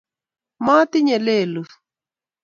matinye lelut